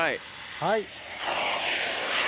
はい。